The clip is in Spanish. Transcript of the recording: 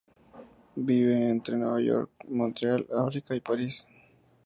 Vive entre Nueva York, Montreal, África y París.